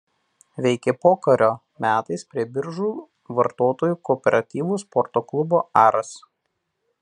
Veikė pokario metais prie Biržų vartotojų kooperatyvo sporto klubo „Aras“.